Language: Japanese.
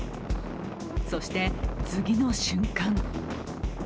そして次の瞬間